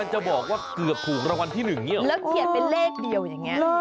แล้วเฉียดเป็นเลขนี้แหละ